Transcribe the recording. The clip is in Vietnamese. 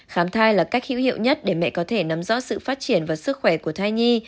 khám thai là cách hữu hiệu nhất để mẹ có thể nắm rõ sự phát triển và sức khỏe của thai nhi